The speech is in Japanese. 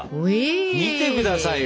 見てくださいよ！